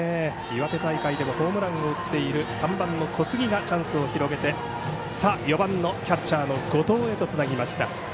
岩手大会でもホームランを打っている３番の小杉がチャンスを広げてさあ、４番のキャッチャーの後藤へとつなぎました。